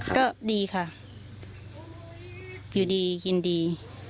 ก็ดีค่ะอยู่ดีกินดี